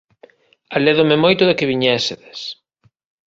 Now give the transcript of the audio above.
Alédome moito de que viñésedes.